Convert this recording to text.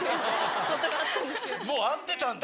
もう会ってたんだ。